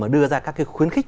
đưa ra các cái khuyến khích